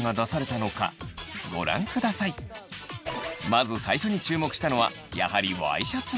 まず最初に注目したのはやはりワイシャツ。